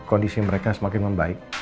kondisi mereka semakin membaik